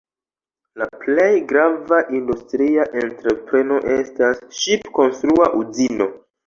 La plej grava industria entrepreno estas ŝip-konstrua uzino.